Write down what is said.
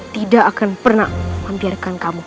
tidak akan pernah mempiarkan kamu